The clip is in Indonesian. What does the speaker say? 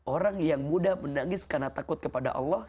orang yang mudah menangis karena takut kepada allah